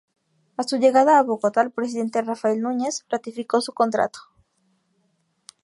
A su llegada a Bogotá, el presidente Rafael Núñez ratificó su contrato.